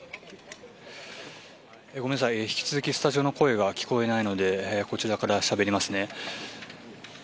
引き続きスタジオの声が聞こえないのでこちらからしゃべります。